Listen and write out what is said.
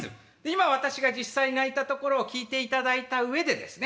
今私が実際鳴いたところを聞いていただいた上でですね